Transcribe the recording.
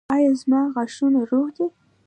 ایا زما غاښونه روغ دي؟